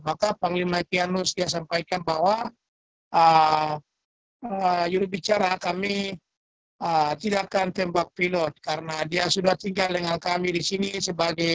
maka panglima pianus dia sampaikan bahwa jurubicara kami tidak akan tembak pilot karena dia sudah tinggal dengan kami di sini sebagai